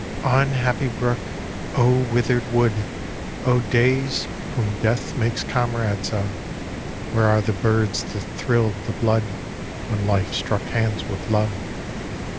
Unhappy brook! O withered wood! O days, whom death makes comrades of! Where are the birds that thrilled the blood When life struck hands with love?